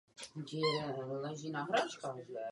Mohu si domyslet řadu důvodů, proč je situace zablokována.